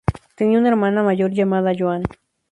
Tenía una hermana mayor llamada Joan.